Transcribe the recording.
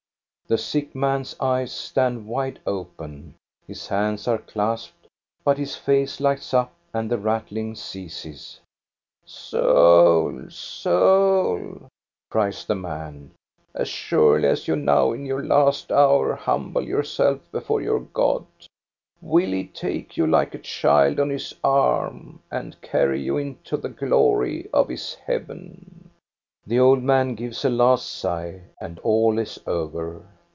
" The sick man's eyes stand wide open, his hands are clasped, but his face lights up and the rattling ceases. "Soul, soul," cries the man, "as surely as you now in your last hour humble yourself before your God, will he take you like a child on his arm and carry you into the glory of his heaven." GOD'S WAYFARER 347 The old man gives a last sigh, and all is over.